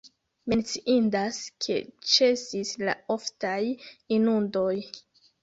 Menciindas, ke ĉesis la oftaj inundoj.